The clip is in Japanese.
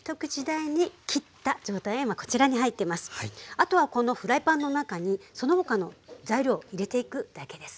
あとはこのフライパンの中にその他の材料を入れていくだけです。